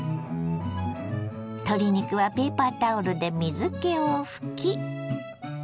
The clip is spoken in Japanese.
鶏肉はペーパータオルで水けを拭き。